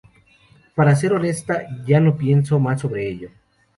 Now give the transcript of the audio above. Para ser honesta, ya no pienso más sobre ello.